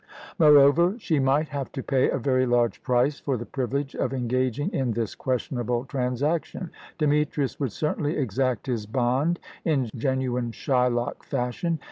Moreover, she might have to pay a very large price for the privilege of engaging in this questionable transaction. Demetrius would certainly exact his bond in genuine Shylock fashion.